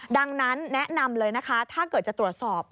ดังนั้นแนะนำเลยนะคะถ้าเกิดจะตรวจสอบ